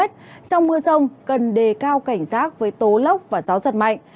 trong mưa rông cần đề cao cảnh giác với tố lốc và gió giật mạnh